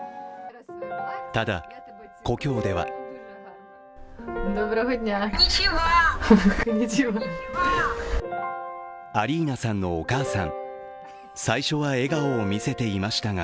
ただ、故郷ではアリーナさんのお母さん最初は笑顔を見せていましたが